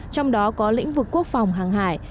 trong đó có lĩnh vực quốc phòng hàng hải